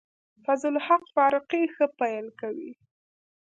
فضل الحق فاروقي ښه پیل کوي.